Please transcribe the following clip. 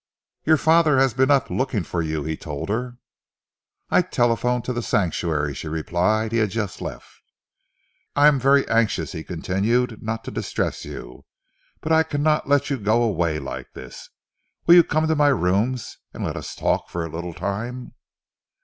"Your father has been up, looking for you," he told her. "I telephoned to The Sanctuary," she replied. "He had just left." "I am very anxious," he continued, "not to distress you, but I cannot let you go away like this. Will you come to my rooms and let us talk for a little time?"